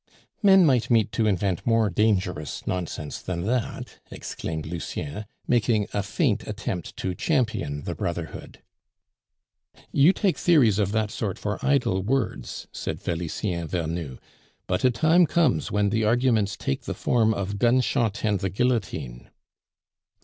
"Men might meet to invent more dangerous nonsense than that!" exclaimed Lucien, making a faint attempt to champion the brotherhood. "You take theories of that sort for idle words," said Felicien Vernou; "but a time comes when the arguments take the form of gunshot and the guillotine."